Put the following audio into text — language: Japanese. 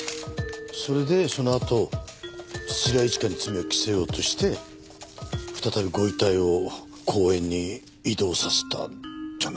それでそのあと土田一花に罪を着せようとして再びご遺体を公園に移動させたんじゃないでしょうか？